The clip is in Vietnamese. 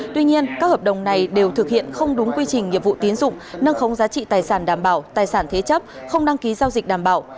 tuy nhiên các hợp đồng này đều thực hiện không đúng quy trình nghiệp vụ tiến dụng nâng khống giá trị tài sản đảm bảo tài sản thế chấp không đăng ký giao dịch đảm bảo